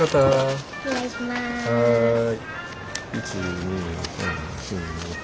はい。